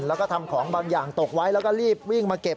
แล้วก็ทำของบางอย่างตกไว้แล้วก็รีบวิ่งมาเก็บ